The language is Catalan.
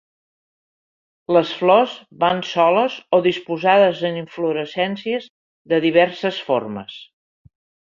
Les flors van soles o disposades en inflorescències de diverses formes.